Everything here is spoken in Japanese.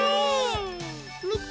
みて。